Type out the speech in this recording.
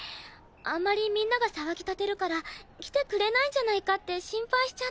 あんまりみんなが騒ぎ立てるから来てくれないんじゃないかって心配しちゃった。